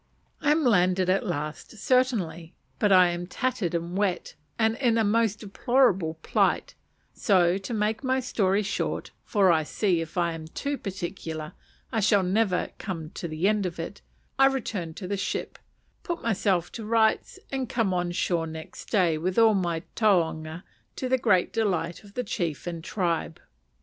I am landed at last, certainly; but I am tattered and wet, and in a most deplorable plight: so, to make my story short for I see, if I am too particular, I shall never come to the end of it I returned to the ship, put myself to rights, and came on shore next day with all my taonga, to the great delight of the chief and tribe.